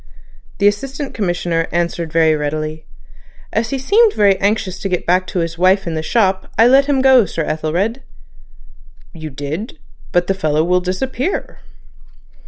The Assistant Commissioner answered very readily: "As he seemed very anxious to get back to his wife in the shop I let him go, Sir Ethelred." "You did? But the fellow will disappear."